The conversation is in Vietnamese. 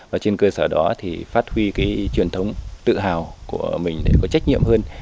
và trên cơ sở đó thì phát huy cái truyền thống tự hào của mình để có trách nhiệm hơn